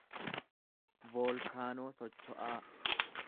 voolkaanoo socho'aa